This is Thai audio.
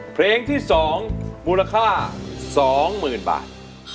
เพลงที่สองมูลค่าสองหมื่นบาท